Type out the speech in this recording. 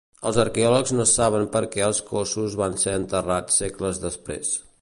Els arqueòlegs no saben per què els cossos van ser enterrats segles després.